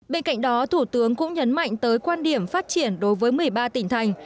bên cạnh đó thủ tướng cũng nhấn mạnh tới quan điểm phát triển đối với một mươi ba tỉnh thành